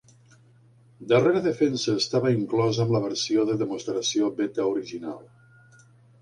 "Darrera Defensa" estava inclosa amb la versió de demostració beta original.